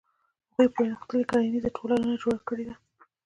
هغوی پرمختللې کرنیزه ټولنه جوړه کړې ده.